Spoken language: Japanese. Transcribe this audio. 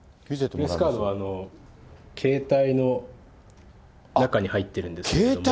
プレスカードは携帯の中に入ってるんですけれども。